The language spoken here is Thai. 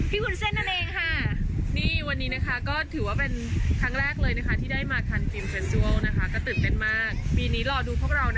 พบไงนะคะสวัสดีค่ะ